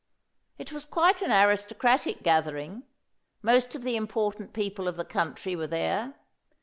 It was quite an aristocratic gathering; most of the important people of the country were there.